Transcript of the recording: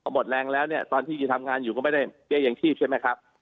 หมดแรงแล้วเนี่ยตอนที่ทำงานอยู่ก็ไม่ได้เบี้ยยังชีพใช่ไหมครับ